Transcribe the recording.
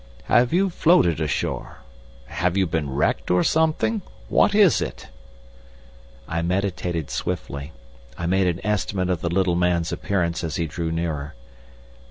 "Have you floated ashore? Have you been wrecked or something? What is it?" I meditated swiftly. I made an estimate of the little man's appearance as he drew nearer.